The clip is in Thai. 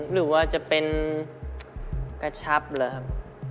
หรือว่าจะเป็นกระชับเหรอครับ